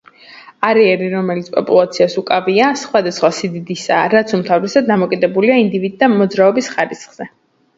არეალი, რომელიც პოპულაციას უკავია, სხვადასხვა სიდიდისაა, რაც უმთავრესად დამოკიდებულია ინდივიდთა მოძრაობის ხარისხზე.